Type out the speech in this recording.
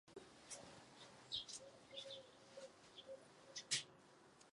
Je centrem samostatné opštiny.